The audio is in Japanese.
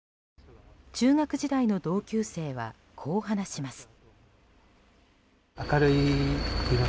中学時代の同級生はこう話します。